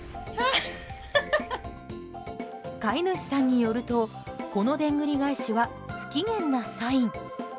飼い主さんによるとこのでんぐり返しは不機嫌なサイン。